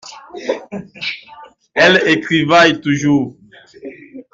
Elle écrivaille toujours.